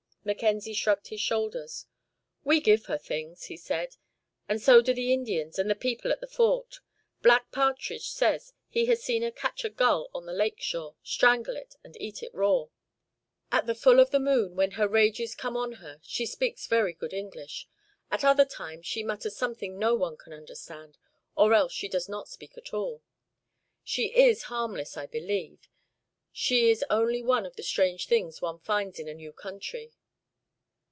Mackenzie shrugged his shoulders. "We give her things," he said, "and so do the Indians and the people at the Fort. Black Partridge says he has seen her catch a gull on the lake shore, strangle it, and eat it raw. At the full of the moon, when her rages come on her, she speaks very good English. At other times, she mutters something no one can understand, or else she does not speak at all. She is harmless, I believe. She is only one of the strange things one finds in a new country."